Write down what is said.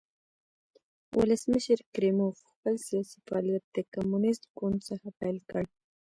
ولسمشر کریموف خپل سیاسي فعالیت د کمونېست ګوند څخه پیل کړ.